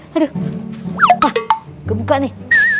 hah kebuka nih